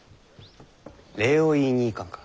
礼を言いに行かんか？